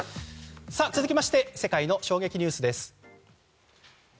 続きまして世界の衝撃ニュースです。